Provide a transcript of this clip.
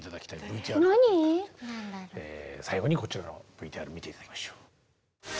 最後にこちらのＶＴＲを見て頂きましょう。